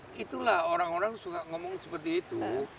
enggak juga itulah orang orang suka ngomong seperti itu